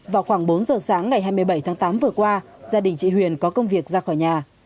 vào khoảng bốn giờ sáng ngày hai mươi bảy tháng tám vừa qua gia đình chị huyền có công việc ra khỏi nhà